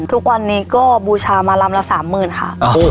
ทุกวันนี้ก็บูชามาลำละสามหมื่นค่ะ